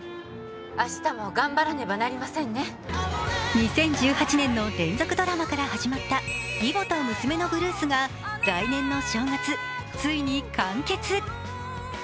２０１８年の連続ドラマから始まった「義母と娘のブルース」が来年の正月、ついに完結。